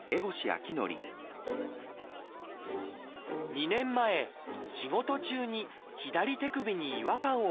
２年前仕事中に左手首に違和感を感じたといいます。